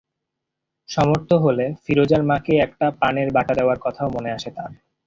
সমর্থ হলে ফিরোজার মাকে একটা পানের বাটা দেওয়ার কথাও মনে আসে তার।